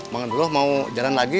bang dulo mau jalan lagi